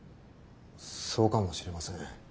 そうかもしれません。